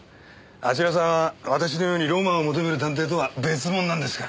あちらさんは私のようにロマンを求める探偵とは別物なんですから。